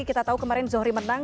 kita tahu kemarin zohri menang